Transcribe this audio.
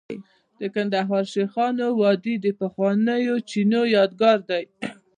د کندهار شیخانو وادي د پخوانیو چینو یادګار دی